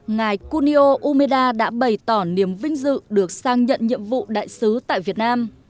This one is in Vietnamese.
ngài kunio umeda đã bày tỏ niềm vinh dự được sang nhận nhiệm vụ đại sứ tại việt nam